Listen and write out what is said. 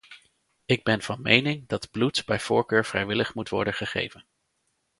Ik ben van mening dat bloed bij voorkeur vrijwillig moet worden gegeven.